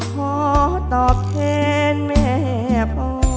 ขอตอบแทนแม่พ่อ